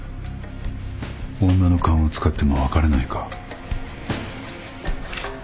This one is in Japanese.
女の勘を使っても分からないか。